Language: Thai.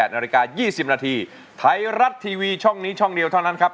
๑๘น๒๐นไทยรัฐทีวีช่องนี้ช่องเดียวเท่านั้นครับ